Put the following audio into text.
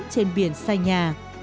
trên biển xa nhà